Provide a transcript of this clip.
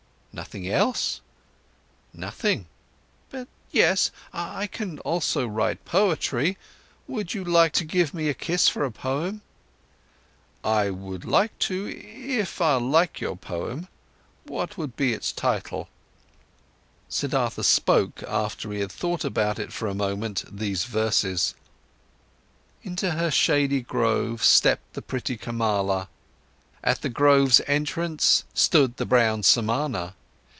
"Nothing else?" "Nothing. But yes, I can also write poetry. Would you like to give me a kiss for a poem?" "I would like to, if I'll like your poem. What would be its title?" Siddhartha spoke, after he had thought about it for a moment, these verses: Into her shady grove stepped the pretty Kamala, At the grove's entrance stood the brown Samana.